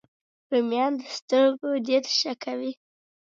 رومیان د سترګو دید ښه کوي